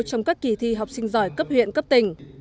trong các kỳ thi học sinh giỏi cấp huyện cấp tỉnh